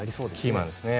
キーマンですね。